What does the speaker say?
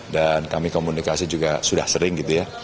dan kami komunikasi juga sudah sering gitu ya